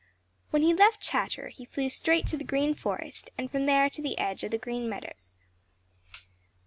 When he left Chatterer, he flew straight to the Green Forest and from there to the edge of the Green Meadows.